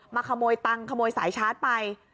ขโมยตังค์ขโมยสายชาร์จไป